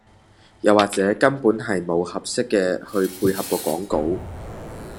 又或者根本係無合適嘅去配合個講稿